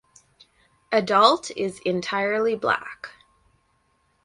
Adult is entirely black.